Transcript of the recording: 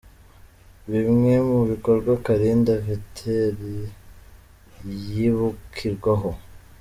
Bimwe mu bikorwa Kalinda Viateur yibukirwaho :.